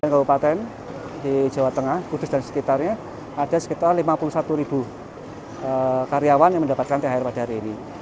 sembilan kabupaten di jawa tengah kudus dan sekitarnya ada sekitar lima puluh satu ribu karyawan yang mendapatkan thr pada hari ini